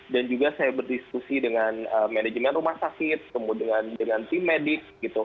dan juga saya berdiskusi dengan manajemen rumah sakit kemudian dengan tim medis